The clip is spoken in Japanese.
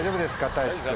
たいし君。